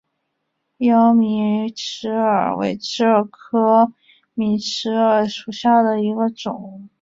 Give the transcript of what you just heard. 妖洱尺蛾为尺蛾科洱尺蛾属下的一个种。